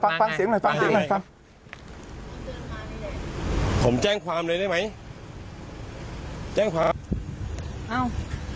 ฟังเสียงหน่อยฟังเสียงหน่อยครับผมแจ้งความเลยได้ไหมแจ้งความเอ้า